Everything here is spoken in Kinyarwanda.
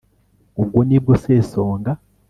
ubwo ni bwo sesonga